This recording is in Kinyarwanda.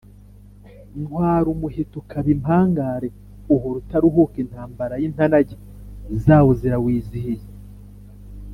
Ntwara umuheto ukaba impangare uhora utaruhuka intambara n’intanage zawo zirawizihiye.